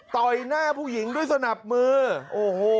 ต่อยหน้าผู้หญิงด้วยสนับมือโอ้โห